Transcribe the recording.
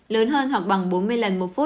lớn hơn hoặc bằng bốn mươi lần một phút